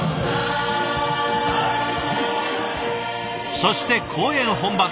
そして公演本番。